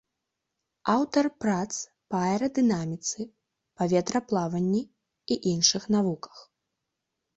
Аўтар прац па аэрадынаміцы, паветраплаванні і іншых навуках.